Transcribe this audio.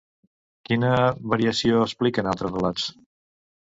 Quina variació expliquen altres relats?